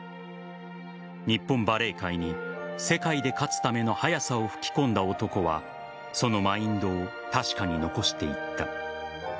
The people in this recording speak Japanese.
日本バレー界に世界で勝つための速さを吹き込んだ男はそのマインドを確かに残していった。